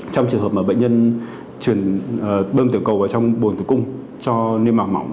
trong trường hợp mà bệnh nhân bơm tiểu cầu vào trong bồn tử cung cho niêm mạng mỏng